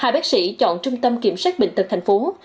hai bác sĩ chọn trung tâm kiểm soát bệnh tật thành phố